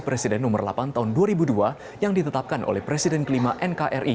presiden nomor delapan tahun dua ribu dua yang ditetapkan oleh presiden kelima nkri